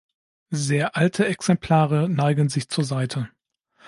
Sehr alte Exemplare neigen sich zur Seite.